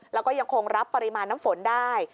แล้วก็ยังคงรับปริมาณน้ำฝนได้